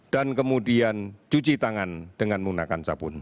dan kemudian cuci tangan dengan menggunakan sabun